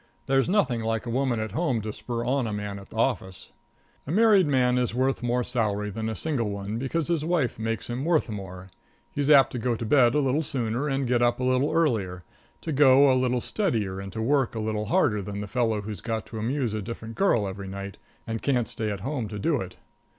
There's nothing like a woman at home to spur on a man at the office. A married man is worth more salary than a single one, because his wife makes him worth more. He's apt to go to bed a little sooner and to get up a little earlier; to go a little steadier and to work a little harder than the fellow who's got to amuse a different girl every night, and can't stay at home to do it.